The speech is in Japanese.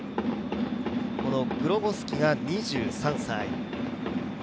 このグロゴスキが２３歳。